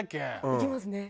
行きますね。